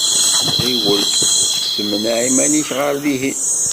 Ɣiwel, ssemneɛ iman-ik ɣer dihin.